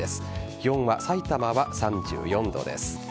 気温はさいたまは３４度です。